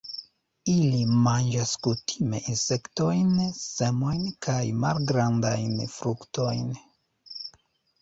Ili manĝas kutime insektojn, semojn kaj malgrandajn fruktojn.